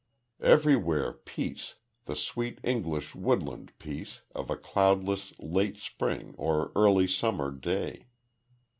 Everywhere peace, the sweet English woodland peace of a cloudless late spring or early summer day.